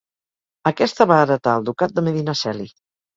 Aquesta va heretar el ducat de Medinaceli.